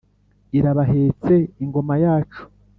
Irabahetse Ingoma yacu,